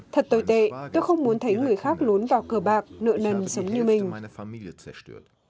thật tồi tệ tôi không muốn thấy người khác lún vào cờ bạc nợ nằm sống như mình